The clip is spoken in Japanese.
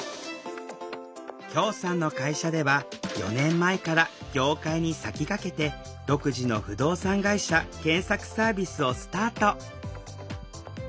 さんの会社では４年前から業界に先駆けて独自の不動産会社検索サービスをスタート